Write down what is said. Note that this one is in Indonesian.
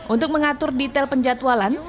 untuk mengatur detail penjatualan